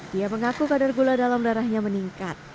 dia mengaku kadar gula dalam darahnya meningkat